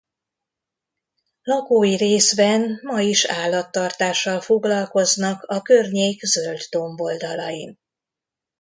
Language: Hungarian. Lakói részben ma is állattartással foglalkoznak a környék zöld domboldalain.